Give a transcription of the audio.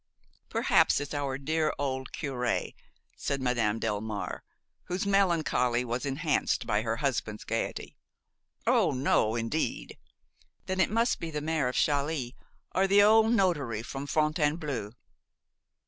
"Perhaps it's our dear old curé?" said Madame Delmare, whose melancholy was enhanced by her husband's gayety. "Oh! no, indeed!" "Then it must be the mayor of Chailly or the old notary from Fontainebleau."